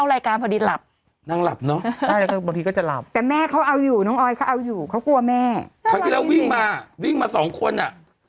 ว่ามีวันหนึ่งหนูฝนถึงน้องสองคน